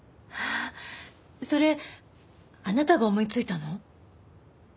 それあなたが思いついたの？